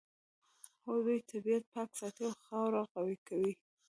هو دوی طبیعت پاک ساتي او خاوره قوي کوي